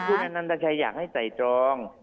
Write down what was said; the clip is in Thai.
ครับคุณอันนันทรัยอยากให้ใจจอง